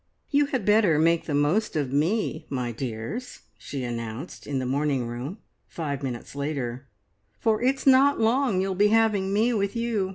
"You had better make the most of me, my dears," she announced in the morning room five minutes later, "for it's not long you'll be having me with you.